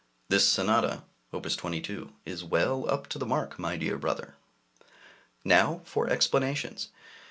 This Sonata [Op. 22] is well up to the mark, my dear brother! Now for explanations.